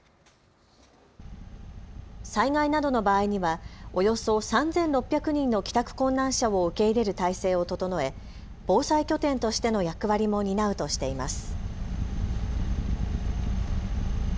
災害などの場合にはおよそ３６００人の帰宅困難者を受け入れる態勢を整え防災拠点としての役割も担うとしています。